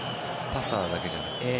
パサーだけじゃなくて。